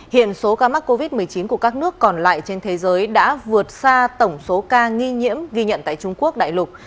hiện số ca mắc covid một mươi chín của các nước còn lại trên thế giới đã vượt xa tổng số ca nghi nhiễm ghi nhận tại trung quốc đại lục